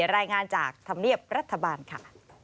รายงานจากธรรมเนียบรัฐบาลค่ะ